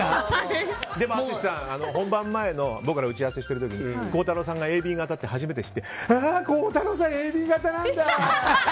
でも淳さん、本番前僕らが打ち合わせしてる時に孝太郎さんがＡＢ型って知って孝太郎さん、ＡＢ型なんだ！